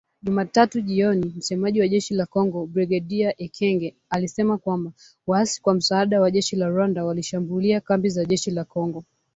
Jumatatu jioni, msemaji wa jeshi la Kongo Brigedia Ekenge, alisema kwamba “waasi kwa msaada wa jeshi la Rwanda, walishambulia kambi za jeshi la Kongo .